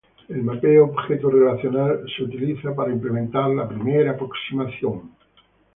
El mapeo objeto-relacional es utilizado para implementar la primera aproximación.